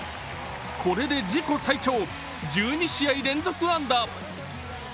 これで自己最長１２試合連続安打。